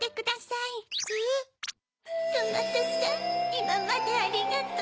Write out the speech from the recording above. いままでありがとう。